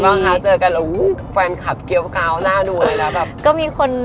เป็นยังไงบ้างคะเจอกันแล้วฟแฟนคลับเกี่ยวกาวหน้าดูอะไรแล้วแบบ